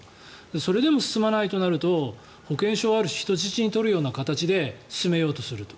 それでも進まないとなると保険証をある種人質に取るような形で進めようとすると。